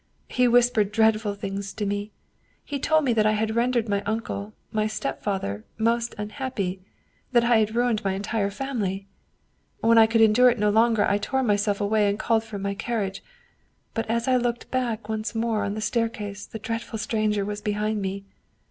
He whispered dreadful things to me. He told me that I had rendered my uncle, my stepfather, most unhappy, that I had ruined my entire family. When I could endure it no longer I tore myself away and called for my carriage. But as I looked back once more on the staircase the dreadful stranger was be hind me.